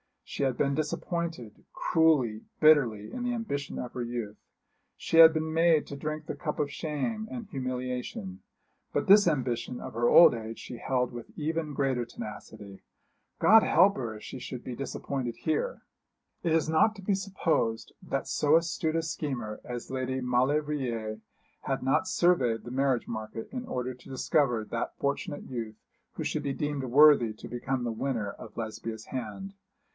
She had been disappointed, cruelly, bitterly, in the ambition of her youth. She had been made to drink the cup of shame and humiliation. But to this ambition of her old age she held with even greater tenacity. God help her if she should be disappointed here! It is not to be supposed that so astute a schemer as Lady Maulevrier had not surveyed the marriage market in order to discover that fortunate youth who should be deemed worthy to become the winner of Lesbia's hand.